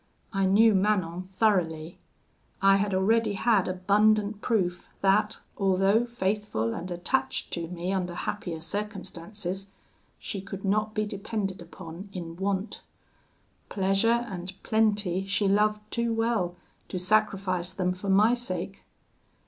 I knew Manon thoroughly; I had already had abundant proof that, although faithful and attached to me under happier circumstances, she could not be depended upon in want: pleasure and plenty she loved too well to sacrifice them for my sake.